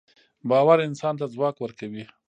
باورانسان ته ځواک ورکوي